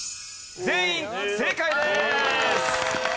全員正解です！